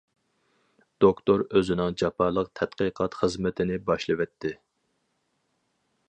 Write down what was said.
دوكتور ئۆزىنىڭ جاپالىق تەتقىقات خىزمىتىنى باشلىۋەتتى.